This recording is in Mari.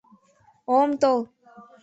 — О-ом тол!